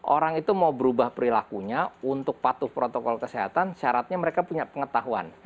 orang itu mau berubah perilakunya untuk patuh protokol kesehatan syaratnya mereka punya pengetahuan